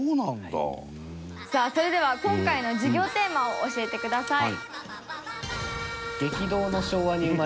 芦田：さあ、それでは今回の授業テーマを教えてください。